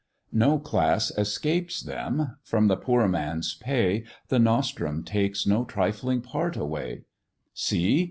No class escapes them from the poor man's pay, The nostrum takes no trifling part away: See!